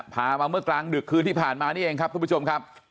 พามาเมื่อกลางดึกคืนที่ผ่านมานี่เองครับทุกผู้ชมครับ